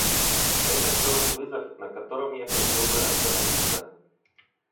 Это второй вызов, на котором я хотел бы остановиться.